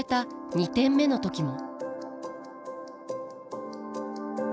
２点目の時も。